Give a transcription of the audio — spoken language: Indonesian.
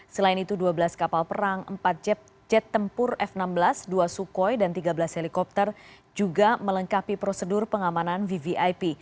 selain itu dua belas kapal perang empat jet tempur f enam belas dua sukhoi dan tiga belas helikopter juga melengkapi prosedur pengamanan vvip